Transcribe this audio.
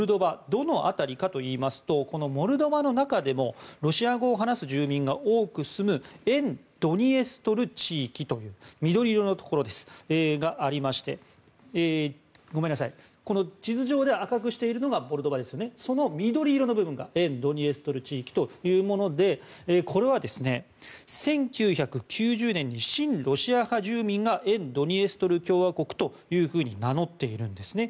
どの辺りかといいますとモルドバの中でもロシア語を話す住民が多く住む沿ドニエストル地域という地図上では赤くしているのがモルドバですがその緑色の部分が沿ドニエストル地域というものでこれは１９９０年に親ロシア派住民が沿ドニエストル共和国と名乗っているんです。